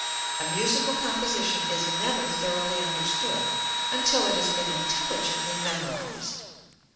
A musical composition is never thoroughly understood until it has been intelligently memorized.